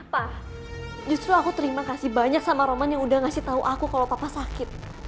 pak justru aku terima kasih banyak sama roman yang udah ngasih tahu aku kalau papa sakit